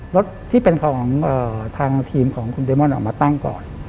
รถที่เป็นของทางทีมของคุณเดมอนออกมาตั้งก่อน